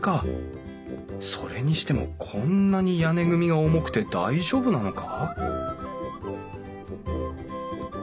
それにしてもこんなに屋根組が重くて大丈夫なのか？